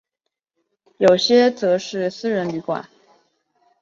有些则是私人旅馆。